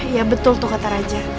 ya betul tuh kata raja